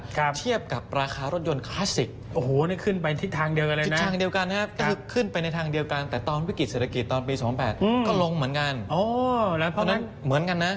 และภาพเทียบกับราคารถยนต์คลาสสิคขึ้นไปในทางเดียวกันนะครับก็คือขึ้นไปในทางเดียวกันในเรื่องเวลาปี๒๐๐๘สถิติเศรษฐกิจก็ลงเหมือนกัน